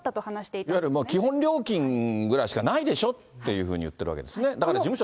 いわゆる、基本料金ぐらいしかないでしょっていうふうに言ってるわけですね。